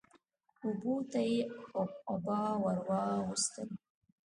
اوبو ته يې عبا ور واغوستل